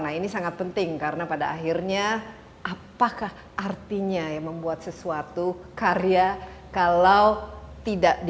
nah ini sangat penting karena pada akhirnya apakah artinya membuat sesuatu karya kalau tidak di